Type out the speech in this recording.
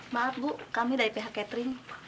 maaf bu kami dari pihak catering